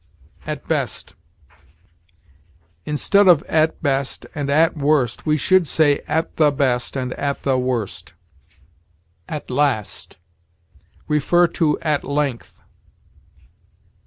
AT BEST. Instead of at best and at worst, we should say at the best and at the worst. AT LAST. See AT LENGTH.